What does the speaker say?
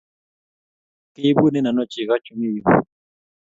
Keibune ano cheko chu mi yu?